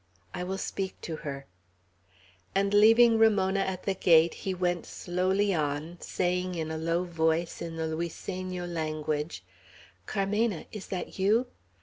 I will speak to her;" and leaving Ramona at the gate, he went slowly on, saying in a low voice, in the Luiseno language, "Carmena, is that you?